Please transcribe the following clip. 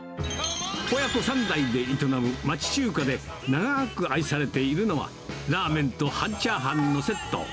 親子３代で営む町中華で、長ーく愛されているのは、ラーメンと半チャーハンのセット。